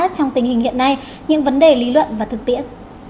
trong tình hình hiện nay những vấn đề lý luận và thực tiễn